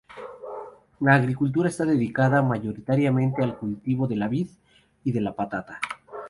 La agricultura está dedicada mayoritariamente al cultivo de la vid y de la patata.